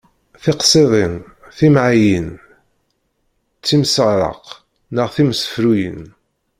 Tiqṣiḍin, timɛayin, timseɛraq neɣ timsefruyin.